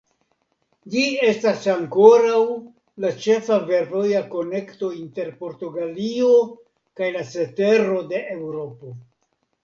Ĝi estas ankoraŭ la ĉefa fervoja konekto inter Portugalio kaj la cetero de Eŭropo.